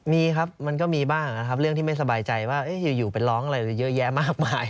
มีครับมันก็มีบ้างนะครับเรื่องที่ไม่สบายใจว่าอยู่ไปร้องอะไรเยอะแยะมากมาย